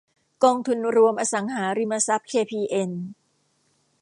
กองทุนรวมอสังหาริมทรัพย์เคพีเอ็น